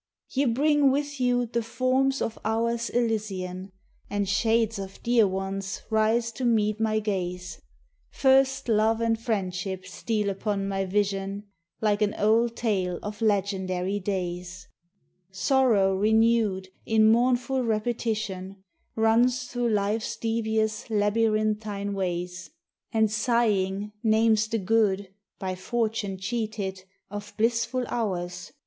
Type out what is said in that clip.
Ye bring with you the forms of hours Elysian, And shades of dear ones rise to meet my gaze; First Love and Friendship steal upon my vision Like an old tale of legendary days; Sorrow renewed, in mournful repetition, Runs through life's devious, labyrinthine ways; And, sighing, names the good (by Fortune cheated Of blissful hours!)